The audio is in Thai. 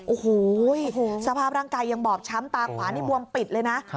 โอ้โหสภาพร่างกายยังบอบช้ำตาขวานี่บวมปิดเลยนะ